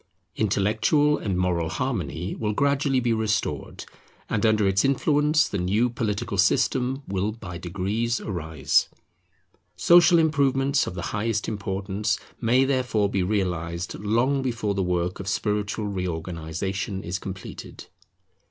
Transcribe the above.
Intellectual and moral harmony will gradually be restored, and under its influence the new political system will by degrees arise. Social improvements of the highest importance may therefore be realized long before the work of spiritual reorganization is completed.